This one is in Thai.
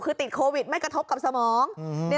คือติดโควิดไม่กระทบกับสมอง